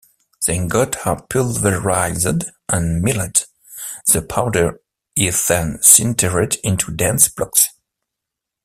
The ingots are pulverized and milled; the powder is then sintered into dense blocks.